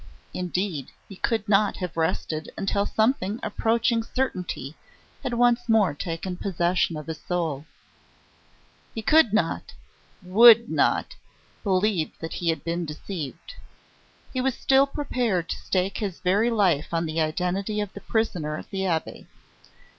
Indeed, he could not have rested until something approaching certainty had once more taken possession of his soul. He could not would not believe that he had been deceived. He was still prepared to stake his very life on the identity of the prisoner at the Abbaye.